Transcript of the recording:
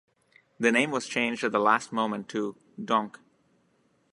The name was changed at the last moment to "Donk".